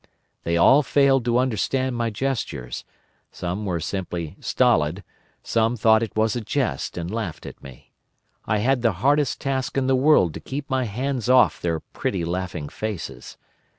They all failed to understand my gestures; some were simply stolid, some thought it was a jest and laughed at me. I had the hardest task in the world to keep my hands off their pretty laughing faces.